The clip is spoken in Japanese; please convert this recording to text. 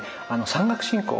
山岳信仰